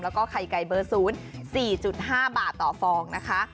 แล้วก็ไข่ไก่เบอร์๐๔๕บาทต่อฟองนะคะ